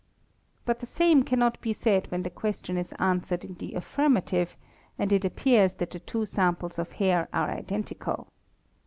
But the same '¢annot be said when the question is answeréd in the affirmative and it 26 2.02 THE MICROSCOPIST appears that the two samples of hair are identical @).